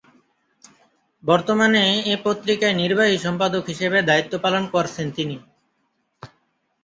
বর্তমানে এ পত্রিকায় নির্বাহী সম্পাদক হিসেবে দায়িত্ব পালন করছেন তিনি।